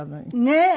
ねえ。